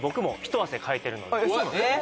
えっ